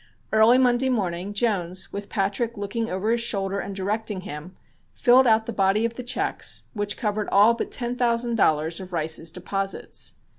Early Monday morning Jones, with Patrick looking over his shoulder and directing him, filled out the body of the checks, which covered all but ten thousand dollars of Rice's deposits.